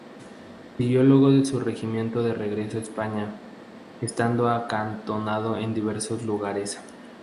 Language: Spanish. Siguió luego a su regimiento de regreso a España, estando acantonado en diversos lugares.